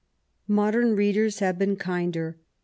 Modem readers have been kinder.